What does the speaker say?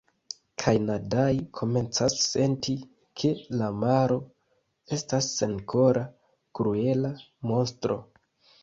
“Kaj Nadai komencas senti, ke la maro estas senkora, kruela monstro...